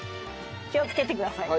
気をつけてください。